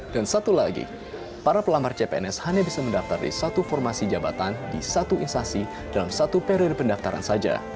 dan satu lagi para pelamar cpns hanya bisa mendaftar di satu formasi jabatan di satu instansi dalam satu periode pendaftaran saja